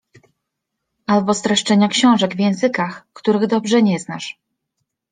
albo streszczenia książek w językach, których dobrze nie znasz.